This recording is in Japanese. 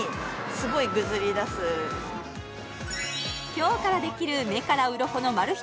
今日からできる目からうろこのマル秘